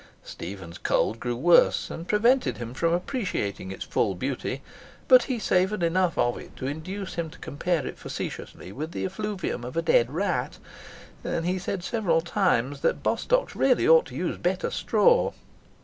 Stephen's cold grew worse and prevented him from appreciating its full beauty, but he savoured enough of it to induce him to compare it facetiously to the effluvium of a dead rat, and he said several times that Bostock's really ought to use better straw.